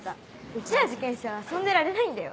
うちら受験生は遊んでられないんだよ。